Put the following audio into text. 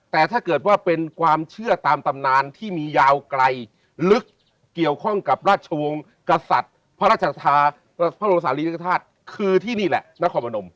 แต่ถ้าเกิดว่าเป็นความเชื่อตามตำนานที่มียาวไกลลึกเกี่ยวข้องกับราชวงศ์กษัตริย์พระราชทาพระบรมศาลีริกฐาตุคือที่นี่แหละนครพนม